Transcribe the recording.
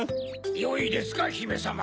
よいですかひめさま。